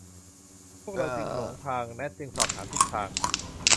พวกเราหลงทาง แนทจึงสอบถามทิศทาง